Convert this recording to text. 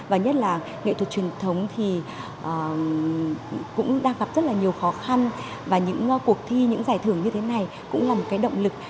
và nhất là nghệ thuật truyền thống thì cũng đang gặp rất là nhiều khó khăn và những cuộc thi những giải thưởng như thế này cũng là một cái động lực